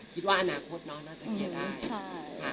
คิดว่าอนาคตน้องน่าจะเคลียร์ได้